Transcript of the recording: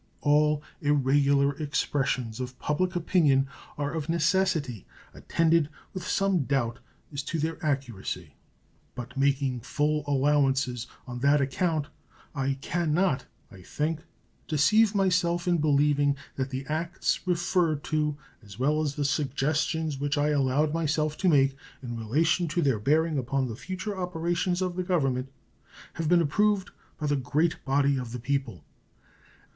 All irregular expressions of public opinion are of necessity attended with some doubt as to their accuracy, but making full allowances on that account I can not, I think, deceive myself in believing that the acts referred to, as well as the suggestions which I allowed myself to make in relation to their bearing upon the future operations of the Government, have been approved by the great body of the people.